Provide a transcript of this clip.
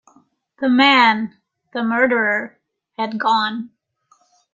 The man — the murderer — had gone.